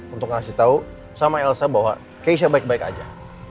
untuk ngasih tau sama elsa bahwa keisha baik baik aja